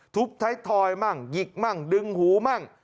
ไทยทอยมั่งหยิกมั่งดึงหูมั่ง